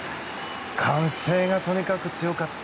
歓声がとにかく強かった。